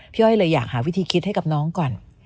อ้อยเลยอยากหาวิธีคิดให้กับน้องก่อน